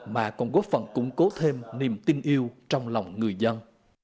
mà còn góp phần củng cố thêm niềm tin yêu trong lòng người dân